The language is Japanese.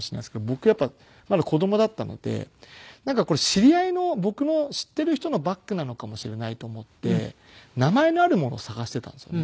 僕やっぱりまだ子供だったのでなんかこれ知り合いの僕の知っている人のバッグなのかもしれないと思って名前のあるものを探していたんですよね